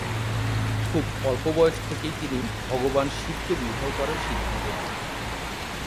খুব অল্প বয়স থেকেই, তিনি ভগবান শিবকে বিবাহ করার সিদ্ধান্ত নেন।